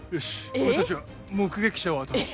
俺たちは目撃者を当たろう。